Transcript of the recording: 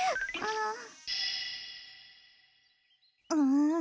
うん。